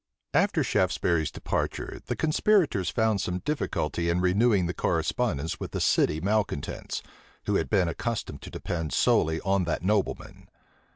After Shaftesbury's departure, the conspirators found some difficulty in renewing the correspondence with the city malecontents, who had been accustomed to depend solely on that nobleman.